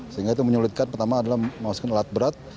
sehingga itu menyulitkan pertama adalah memasukkan alat berat